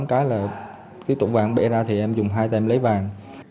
cái tổng vàng bể ra thì em dùng hai tay em lấy vàng